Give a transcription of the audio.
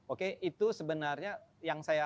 oke itu sebenarnya yang saya